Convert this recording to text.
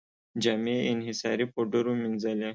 جامې یې انحصاري پوډرو مینځلې.